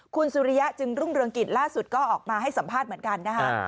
คุณสุริยะจึงรุ่งเรืองกิจล่าสุดก็ออกมาให้สัมภาษณ์เหมือนกันนะคะ